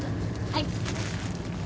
はい。